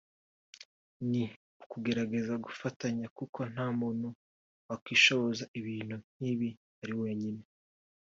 ni ukugerageza gufatanya kuko nta muntu wakwishoboza ibintu nk’ibi ari wenyine